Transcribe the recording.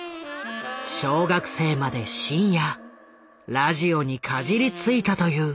小学生まで深夜ラジオにかじりついたという。